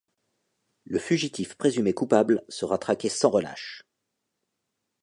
Le fugitif présumé coupable sera traqué sans relâche.